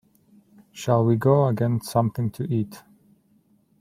Shall we go and get something to eat?